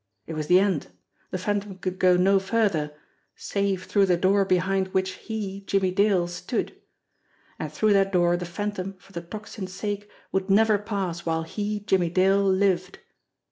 It was the end ! The Phantom could go no further save through the door behind which he, Jimmie Dale, stood. And through that door the Phantom, for the Tocsin's sake, would never pass while he, Jimmie Dale, lived!